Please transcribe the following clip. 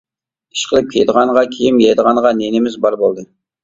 ئىشقىلىپ كىيىدىغانغا كىيىم، يەيدىغانغا نېنىمىز بار بولدى.